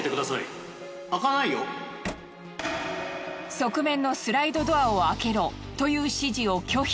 側面のスライドドアを開けろという指示を拒否。